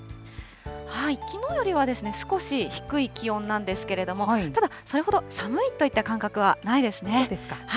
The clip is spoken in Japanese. きのうよりは少し低い気温なんですけれども、ただ、それほど寒いといった感覚はないですね。